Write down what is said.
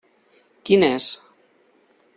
Quin és?